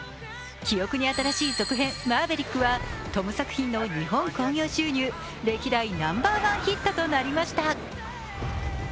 記憶に新しい続編「マーヴェリック」はトム作品の日本興行収入歴代ナンバーワンヒットとなりました。